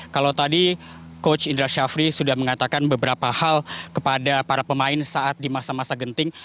kalau tadi coach indra syafri sudah mengatakan beberapa hal kepada para pemain saat di masa masa genting